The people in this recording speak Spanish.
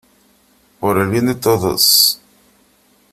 por el bien de todos .